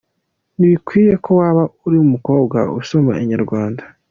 Ntibikwiye ko waba uri umukobwa usoma Inyarwanda.